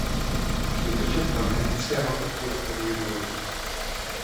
Kmitočet magnetického toku rotoru je nulový.